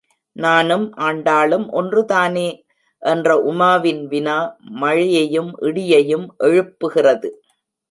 நானும் ஆண்டாளும் ஒன்றுதானே? என்ற உமாவின் வினா, மழையையும் இடியையும் எழுப்புகிறது.